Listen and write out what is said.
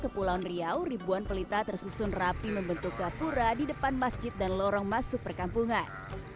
kepulauan riau ribuan pelita tersusun rapi membentuk kapura di depan masjid dan lorong masuk perkampungan